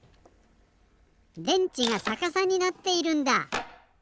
電池がさかさになっているんだ。